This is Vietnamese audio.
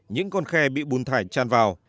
những con khe bị bùn thải chan vào